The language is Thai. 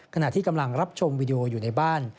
ขณะที่กำลังรับชมวิดีโออยู่ในบ้าน